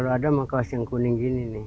kalau ada mah kaos yang kuning gini nih